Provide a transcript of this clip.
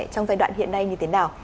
trong giai đoạn hiện nay như thế nào